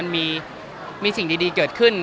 มันมีสิ่งดีเกิดขึ้น